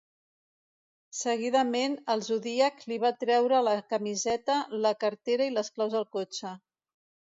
Seguidament el Zodíac li va treure la camiseta, la cartera i les claus del cotxe.